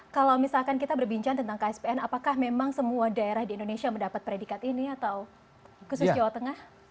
kalau misalkan kita berbincang tentang kspn apakah memang semua daerah di indonesia mendapat predikat ini atau khusus jawa tengah